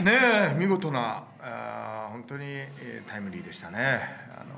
見事な、本当にタイムリーでしたね。